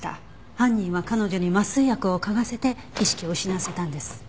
犯人は彼女に麻酔薬を嗅がせて意識を失わせたんです。